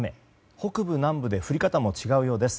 北部、南部で降り方も違うようです。